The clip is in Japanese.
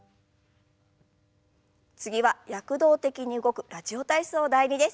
次は躍動的に動く「ラジオ体操第２」です。